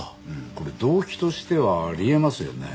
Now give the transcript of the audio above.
これ動機としてはあり得ますよね。